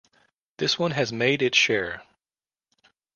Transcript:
This one has made its share.